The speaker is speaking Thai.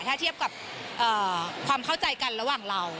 ถ้าเทียบกับความเข้าใจกันระหว่างเรา